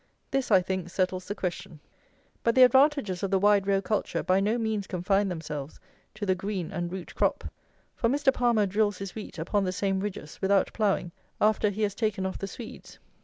This, I think, settles the question. But the advantages of the wide row culture by no means confine themselves to the green and root crop; for Mr. PALMER drills his wheat upon the same ridges, without ploughing, after he has taken off the Swedes.